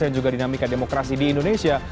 yang juga dinamikan demokrasi di indonesia